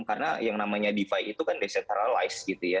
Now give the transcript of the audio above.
karena yang namanya defi itu kan decentralized gitu ya